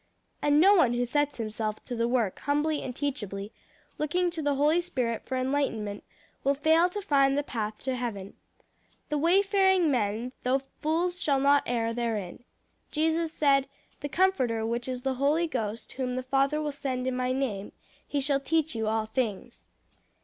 And no one who sets himself to the work humbly and teachably, looking to the Holy Spirit for enlightenment, will fail to find the path to heaven. 'The way faring men, though fools shall not err therein.' Jesus said 'The Comforter which is the Holy Ghost, whom the Father will send in my name, he shall teach you all things.'